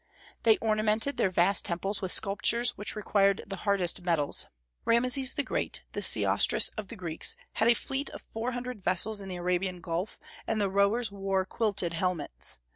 They ornamented their vast temples with sculptures which required the hardest metals. Rameses the Great, the Sesostris of the Greeks, had a fleet of four hundred vessels in the Arabian Gulf, and the rowers wore quilted helmets.